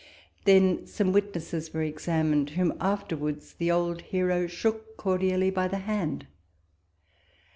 Then some witnesses were examined, whom after wards the old hero shook cordially by the hand.